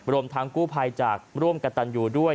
รวมทั้งกู้ภัยจากร่วมกระตันอยู่ด้วย